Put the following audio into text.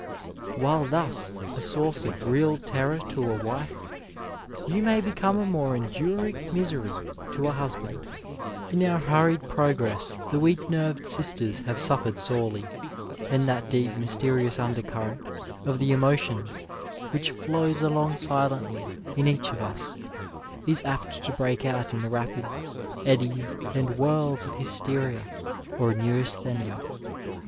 While thus a source of real terror to a wife, you may become a more enduring misery to a husband; In our hurried progress the weak nerved sisters have suffered sorely, and that deep mysterious undercurrent of the emotions, which flows along silently in each one of us, is apt to break out in the rapids, eddies and whirls of hysteria 167 Digitized by Google NURSE AND PATIENT or neurasthenia.